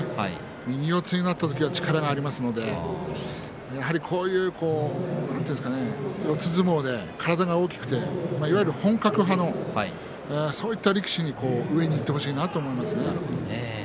右四つになった時は力がありますのでやはり、こういう四つ相撲で体が大きくていわゆる本格派のそういった力士に上にいってほしいなと思いますね。